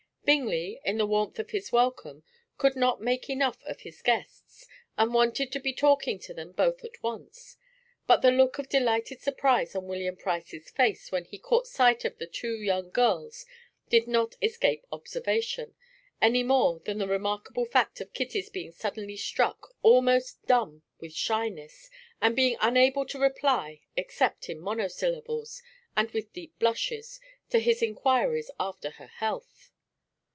Bingley, in the warmth of his welcome, could not make enough of his guests, and wanted to be talking to them both at once; but the look of delighted surprise on William Price's face when he caught sight of the two young girls did not escape observation, any more than the remarkable fact of Kitty's being suddenly struck almost dumb with shyness, and being unable to reply except in monosyllables, and with deep blushes, to his inquiries after her health.